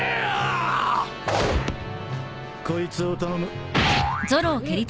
こいつを頼む。